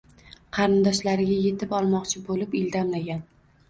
Qarindoshlariga yetib olmoqchi bo‘lib ildamlagan